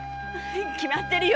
決まってるよ